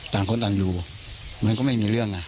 ต่างคนต่างอยู่มันก็ไม่มีเรื่องอ่ะ